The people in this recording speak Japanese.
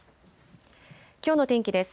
きょうの天気です。